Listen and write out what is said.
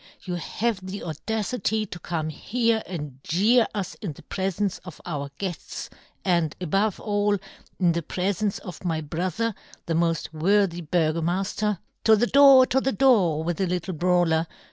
" you have the audacity to come here " and jeer us in the prefence of our "John Gutenberg. 23 " guefts, and, above all, in the pre " fence of my brother, the moft " worthy Burgomafter? To the door, " to the door, with the little brawler